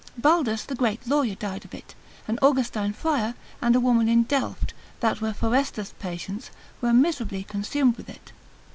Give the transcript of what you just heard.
Baldus the great lawyer died of it: an Augustine friar, and a woman in Delft, that were Forrestus' patients, were miserably consumed with it.